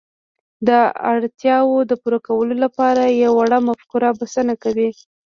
د اړتياوو د پوره کولو لپاره يوه وړه مفکوره بسنه کوي.